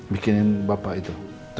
bikinin bapak itu